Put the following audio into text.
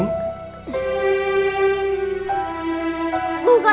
gak tahu ya